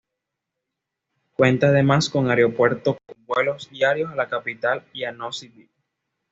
Cuenta además con aeropuerto con vuelos diarios a la capital y a Nosy Be.